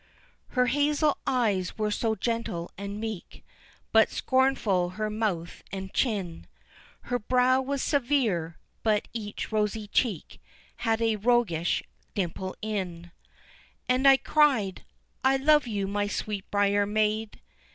Her hazel eyes were so gentle and meek, But scornful her mouth and chin, Her brow was severe, but each rosy cheek Had a roguish dimple in, And I cried, "I love you my sweetbriar maid!"